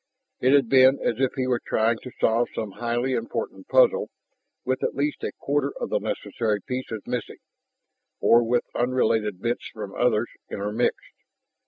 It had been as if he were trying to solve some highly important puzzle with at least a quarter of the necessary pieces missing, or with unrelated bits from others intermixed.